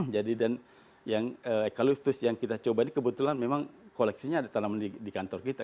jadi dan yang eucalyptus yang kita coba ini kebetulan memang koleksinya ada di kantor kita